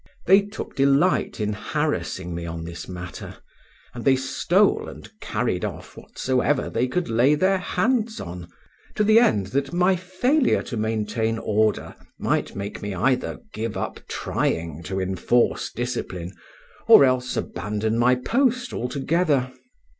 They took delight in harassing me on this matter, and they stole and carried off whatsoever they could lay their hands on, to the end that my failure to maintain order might make me either give up trying to enforce discipline or else abandon my post altogether.